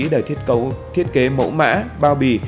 để thiết kế mẫu mã bao bì